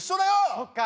そっか。